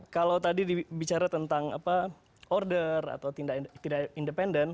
kalau tadi bicara tentang order atau tidak independen